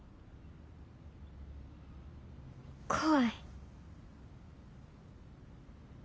怖い。